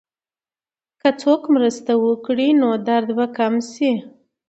که څوک مرسته وکړي، نو درد به کم شي.